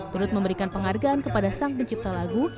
turut memberikan penghargaan kepada sang pencipta lagu